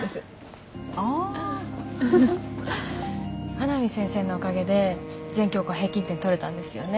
阿南先生のおかげで全教科平均点とれたんですよね。